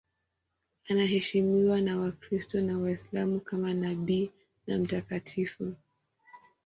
Anaheshimiwa na Wakristo na Waislamu kama nabii na mtakatifu.